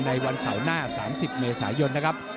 ในวันเสาร์หน้า๓๐เมษายน